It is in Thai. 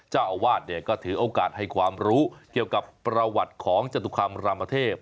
เจ้าอาวาสเนี่ยก็ถือโอกาสให้ความรู้เกี่ยวกับประวัติของจตุคามรามเทพ